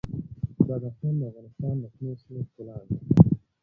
بدخشان د افغانستان د شنو سیمو ښکلا ده.